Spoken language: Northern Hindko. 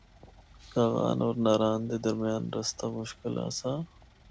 کاغان اور ناران دے درمیان رستہ مشکل آسا۔